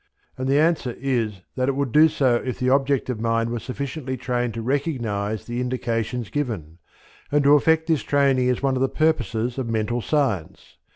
And the answer is that it would do so if the objective mind were sufficiently trained to recognize the indications given, and to effect this training is one of the purposes of Mental Science.